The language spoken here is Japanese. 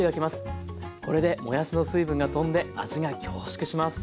これでもやしの水分がとんで味が凝縮します。